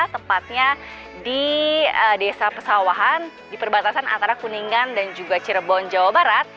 tepatnya di desa pesawahan di perbatasan antara kuningan dan juga cirebon jawa barat